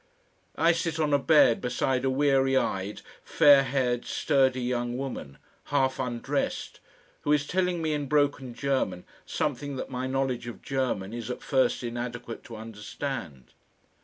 I sit on a bed beside a weary eyed, fair haired, sturdy young woman, half undressed, who is telling me in broken German something that my knowledge of German is at first inadequate to understand....